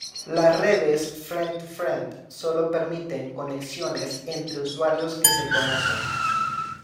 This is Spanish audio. Las redes friend-to-friend solo permiten conexiones entre usuarios que se conocen.